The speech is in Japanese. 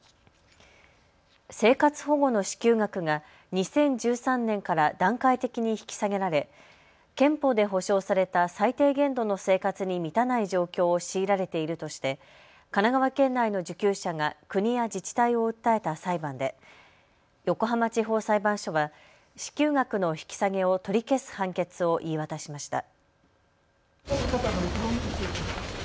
生活保護の支給額が２０１３年から段階的に引き下げられ憲法で保障された最低限度の生活に満たない状況を強いられているとして神奈川県内の受給者が国や自治体を訴えた裁判で横浜地方裁判所は支給額の引き下げを取り消す判決を言い渡しました。